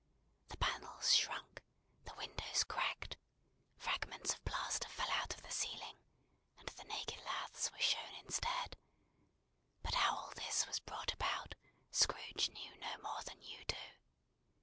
The panels shrunk, the windows cracked; fragments of plaster fell out of the ceiling, and the naked laths were shown instead; but how all this was brought about, Scrooge knew no more than you do.